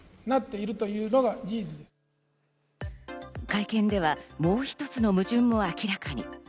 会見では、もう一つの矛盾も明らかに。